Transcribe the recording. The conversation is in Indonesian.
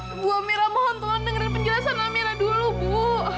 ibu amyra mohon tuhan dengerin penjelasan amyra dulu bu